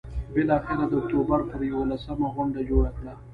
بالآخره د اکتوبر پر یوولسمه غونډه جوړه کړه.